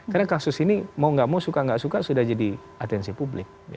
karena kasus ini mau gak mau suka gak suka sudah jadi atensi publik